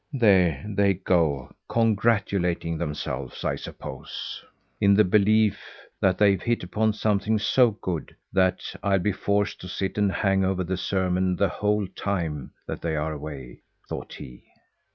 "There they go congratulating themselves, I suppose, in the belief that they've hit upon something so good that I'll be forced to sit and hang over the sermon the whole time that they are away," thought he.